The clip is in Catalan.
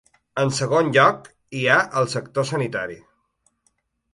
En segon lloc, hi ha el sector sanitari.